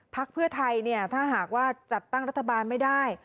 พักเพื่อไทยเนี่ยถ้าหากว่าจัดตั้งรัฐบาลไม่ได้